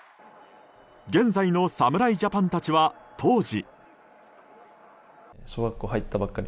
現在の侍ジャパンたちは当時。